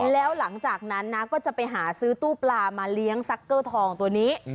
แล้วหลังจากนั้นนะก็จะไปหาซื้อตู้ปลามาเลี้ยงซักเกอร์ทองตัวนี้